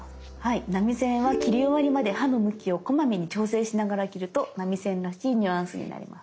波線は切り終わりまで刃の向きをこまめに調整しながら切ると波線らしいニュアンスになります。